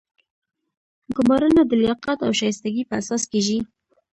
ګمارنه د لیاقت او شایستګۍ په اساس کیږي.